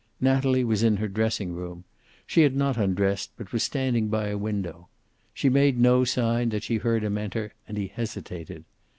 Natalie was in her dressing room. She had not undressed, but was standing by a window. She made no sign that she heard him enter, and he hesitated.